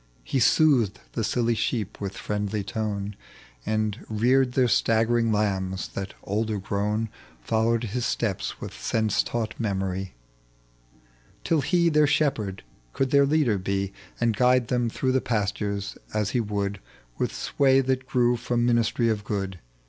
He soothed the silly sheep with friendly tone, And reared their staggering lambs, that, older grown, Followed his steps with sense taught memory ; Till he, their shepherd, could their leader be, And guide them through the pastures as he would. With sway that grew from ministry of good.